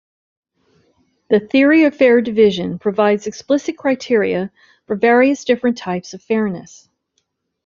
The theory of fair division provides explicit criteria for various different types of fairness.